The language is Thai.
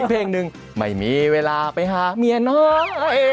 เพลงหนึ่งไม่มีเวลาไปหาเมียน้อย